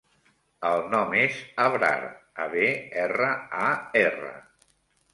El nom és Abrar: a, be, erra, a, erra.